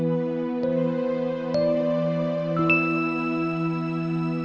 yaudah sekarang kamu sana ke taman bacaan